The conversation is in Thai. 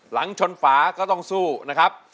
หลังชนฝาก็ต้องสู้นะครับ